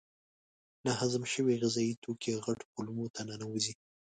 ناهضم شوي غذایي توکي غټو کولمو ته ننوزي.